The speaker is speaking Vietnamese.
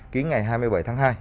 ký ngày hai mươi bảy tháng hai